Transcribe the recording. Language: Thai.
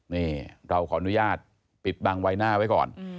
นี่เราขออนุญาตปิดบังใบหน้าไว้ก่อน